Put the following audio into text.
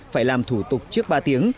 phải làm thủ tục trước ba tiếng